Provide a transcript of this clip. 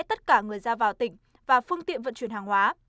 tất cả người ra vào tỉnh và phương tiện vận chuyển hàng hóa